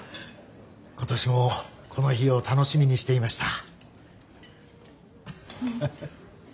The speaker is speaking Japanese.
今年もこの日を楽しみにしていました。